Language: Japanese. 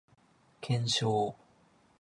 検証